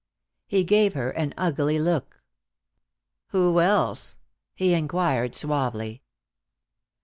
He gave her an ugly look. "Who else?" he inquired suavely.